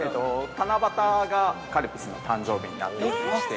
七夕が、カルピスの誕生日になっておりまして。